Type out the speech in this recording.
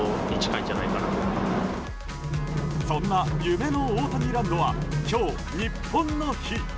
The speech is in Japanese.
そんな夢のオオタニランドは今日、ニッポンの日。